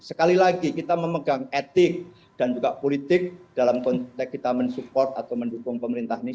sekali lagi kita memegang etik dan juga politik dalam konteks kita mensupport atau mendukung pemerintah ini